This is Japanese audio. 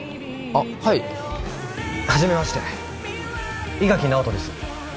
あっはいはじめまして伊垣尚人です